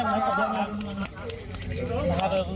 นักภูมิประเภทความสุขขนาดโลกไทย